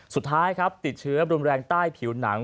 สุดท้ายครับติดเชื้อรุนแรงใต้ผิวหนัง